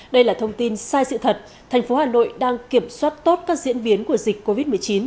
đây là thông tin sai sự thật thành phố hà nội đang kiểm soát tốt các diễn biến của dịch covid một mươi chín